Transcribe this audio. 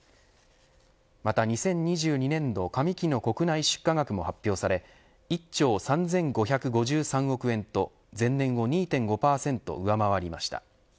また、２０２２年度上期の国内出荷額も発表され１兆３５５３億円と前年を２．５％上回りました。